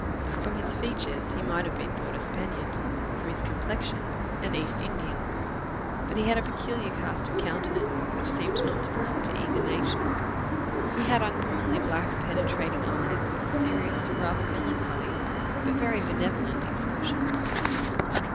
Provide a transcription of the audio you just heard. From his features, he might have been thought a Spaniard from his complexion, an East Indian; but he had a peculiar cast of countenance, which seemed not to belong to either nation. He had uncommonly black penetrating eyes, with a serious, rather melancholy, but very benevolent expression.